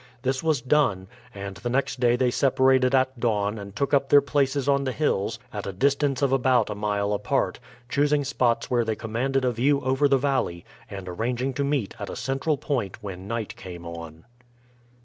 This was done, and the next day they separated at dawn and took up their places on the hills at a distance of about a mile apart, choosing spots where they commanded a view over the valley, and arranging to meet at a central point when night came on.